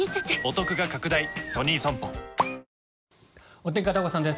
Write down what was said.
お天気、片岡さんです。